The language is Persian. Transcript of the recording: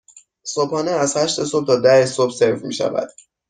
صبحانه از هشت صبح تا ده صبح سرو می شود.